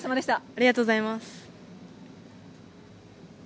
ありがとうございます。